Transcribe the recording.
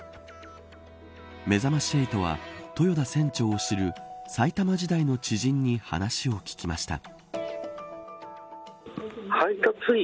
めざまし８は豊田船長を知る埼玉時代の知人に話を聞きました。